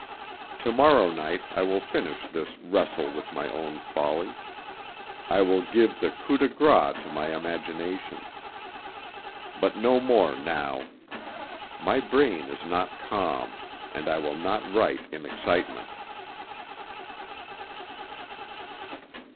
To morrow night I will finish this wrestle with my own folly; I will give the coup de grâce to my imagination.. But no more now. My brain is not calm, and I will not write in excitement.